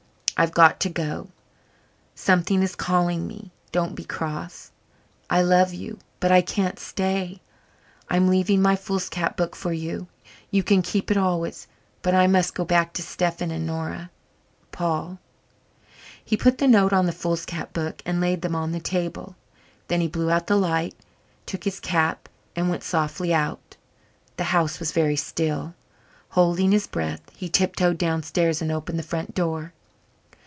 Ive got to go. something is calling me. dont be cross. I love you, but I cant stay. Im leaving my foolscap book for you, you can keep it always but I must go back to Stephen and nora_ Paul He put the note on the foolscap book and laid them on the table. Then he blew out the light, took his cap and went softly out. The house was very still. Holding his breath, he tiptoed downstairs and opened the front door.